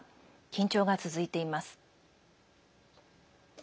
緊張が続いています。